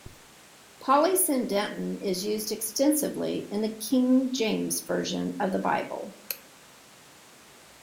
Polysyndeton is used extensively in the King James Version of the Bible.